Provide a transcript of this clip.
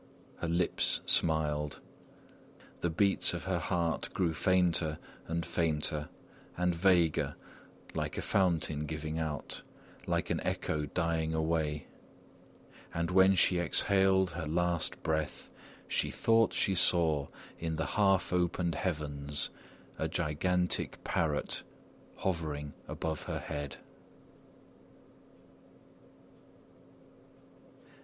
Her lips smiled. The beats of her heart grew fainter and fainter, and vaguer, like a fountain giving out, like an echo dying away; and when she exhaled her last breath, she thought she saw in the half opened heavens a gigantic parrot hovering above her head.